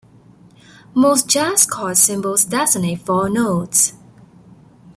Most jazz chord symbols designate four notes.